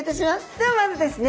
ではまずですね